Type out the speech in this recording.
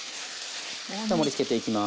じゃあ盛りつけていきます。